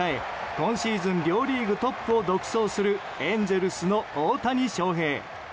今シーズン両リーグトップを独走するエンゼルスの大谷翔平。